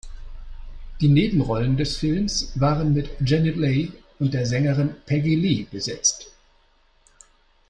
Die Nebenrollen des Films waren mit Janet Leigh und der Sängerin Peggy Lee besetzt.